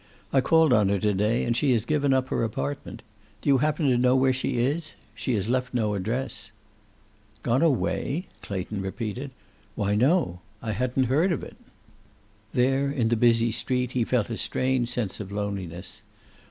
I called on her to day, and she has given up her apartment. Do you happen to know where she is? She has left no address." "Gone away?" Clayton repeated. "Why, no. I hadn't heard of it." There in the busy street he felt a strange sense of loneliness.